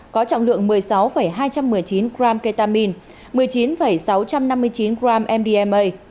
có trọng lượng một mươi sáu hai trăm một mươi chín gram ketamine một mươi chín sáu trăm năm mươi chín gram mbma